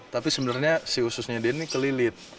tapi sebenarnya si ususnya dia ini kelilit